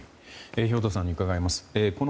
兵頭さんに伺います。